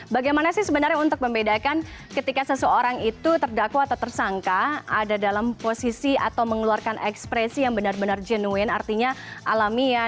bagaimana sih sebenarnya untuk membedakan ketika seseorang itu terdakwa atau tersangka ada dalam posisi atau mengeluarkan ekspresi yang benar benar jenuin artinya alamiah